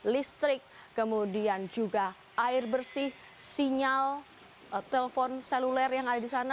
listrik kemudian juga air bersih sinyal telpon seluler yang ada di sana